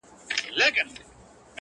پکښی پورته به د خپل بلال آذان سي!!